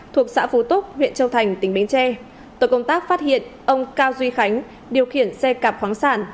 thuộc xã phú túc huyện châu thành tỉnh bến tre tội công tác phát hiện ông cao duy khánh điều khiển xe cạp khoáng sản